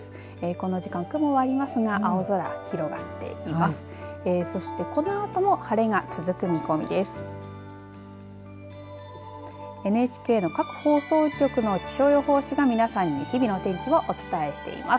この時間、雲はありますが青空広がっています。